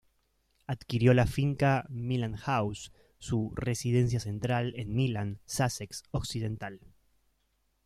Adquirió la finca ""Milland House"", su "residencia central" en Milland, Sussex Occidental.